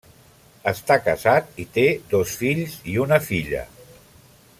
Està casat i té dos fills i una filla.